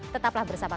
tetaplah bersama kami